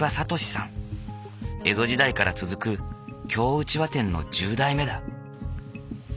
江戸時代から続く京うちわ店の１０代目だ。